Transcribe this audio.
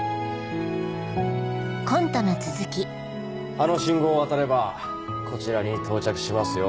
あの信号を渡ればこちらに到着しますよ。